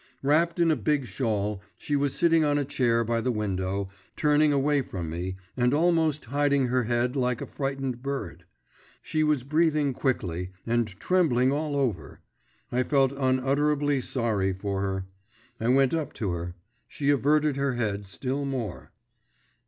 Wrapped in a big shawl, she was sitting on a chair by the window, turning away from me and almost hiding her head like a frightened bird. She was breathing quickly, and trembling all over. I felt unutterably sorry for her. I went up to her. She averted her head still more.